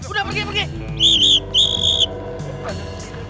eh udah pergi pergi